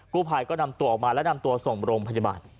ผู้ภัยก็นำตัวออกมาและนำตัวส่งโรงพยาบาล